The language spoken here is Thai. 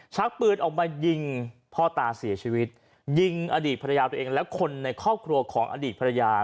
ชักปืนออกมายิงพ่อตาเสียชีวิตยิงอดีตภรรยาตัวเองและคนในครอบครัวของอดีตภรรยา